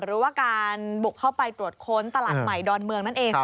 หรือว่าการบุกเข้าไปตรวจค้นตลาดใหม่ดอนเมืองนั่นเอง